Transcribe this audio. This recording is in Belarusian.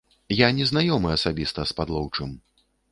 Я не знаёмы асабіста з падлоўчым.